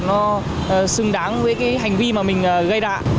nó xứng đáng với cái hành vi mà mình gây ra